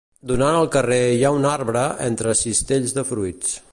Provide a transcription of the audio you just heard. Donant al carrer hi ha un arbre entre cistells de fruits.